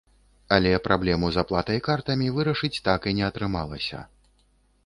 Але праблему з аплатай картамі вырашыць так і не атрымалася.